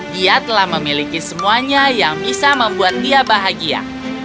dia telah memiliki semuanya yang bisa membuat dia bahagia